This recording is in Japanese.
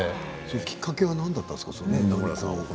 きっかけは何だったんですか？